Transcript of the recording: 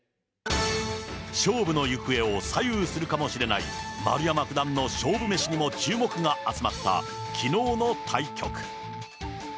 勝負の行方を左右するかもしれない、丸山九段の勝負メシにも注目が集まった、きのうの対局。